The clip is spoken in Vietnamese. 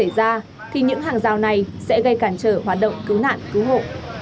nếu hỏa hoạn không may xảy ra thì những hàng rào này sẽ gây cản trở hoạt động cứu nạn cứu hộ